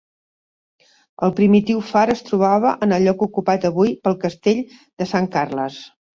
El primitiu far es trobava en el lloc ocupat avui pel Castell de Sant Carles.